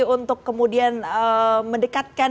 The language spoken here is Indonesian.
untuk kemudian mendekatkan